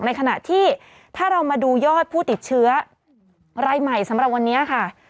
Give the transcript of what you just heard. ในขณะที่ถ้าเรามาดูยอดผู้ติดเชื้อรายใหม่สำหรับวันนี้ค่ะ